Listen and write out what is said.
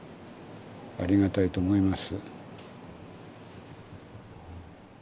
ありがたいと思います。